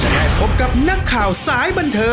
จะได้พบกับนักข่าวสายบันเทิม